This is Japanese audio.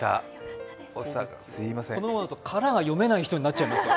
このままだと「カラ」が読めない人になっちゃいますよ。